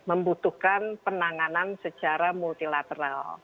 membutuhkan penanganan secara multilateral